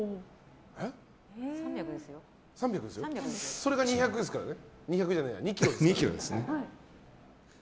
それが２ｋｇですからね。